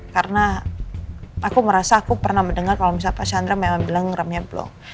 karena aku merasa aku pernah mendengar kalau misalnya mbak chandra memang bilang remnya blong